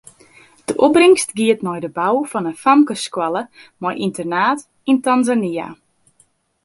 De opbringst giet nei de bou fan in famkesskoalle mei ynternaat yn Tanzania.